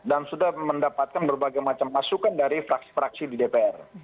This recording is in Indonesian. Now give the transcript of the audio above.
dan sudah mendapatkan berbagai macam masukan dari fraksi fraksi di dpr